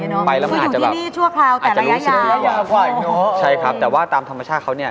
อยู่ที่นี่ชั่วคราวแต่ระยะยาวใช่ครับแต่ว่าตามธรรมชาติเขาเนี่ย